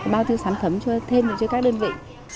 bao thư sản phẩm thêm cho các đơn vị